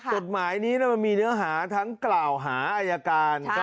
กฎหมายนี้มันมีเนื้อหาทั้งกล่าวหาอายการ